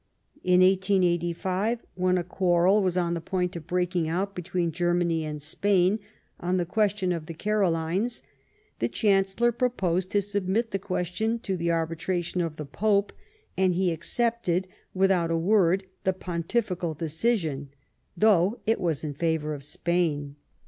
206 Last Fights In 1885, when a quarrel was on the point of break ing out between Germany and Spain on the ques tion of the Carolines, the Chancellor proposed to submit the question to the arbitration of the Pope ; and he accepted without a word the Pontifical de cision, though it was in favour of Spain.